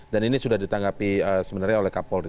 dan ini sudah ditanggapi sebenarnya oleh kapolri